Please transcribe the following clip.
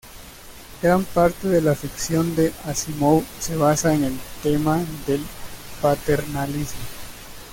Gran parte de la ficción de Asimov se basa en el tema del paternalismo.